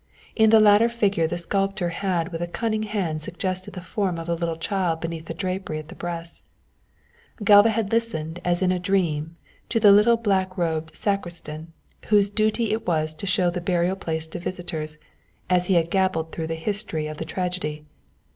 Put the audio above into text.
In the latter figure the sculptor had with a cunning hand suggested the form of a little child beneath the drapery at the breasts. Galva had listened as in a dream to the little black robed sacristan, whose duty it was to show the burial place to visitors, as he had gabbled through the history of the tragedy.